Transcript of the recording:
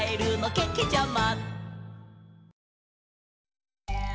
けけちゃま！